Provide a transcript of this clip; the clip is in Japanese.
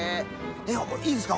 いいですか？